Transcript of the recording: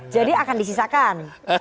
jadi akan disisakan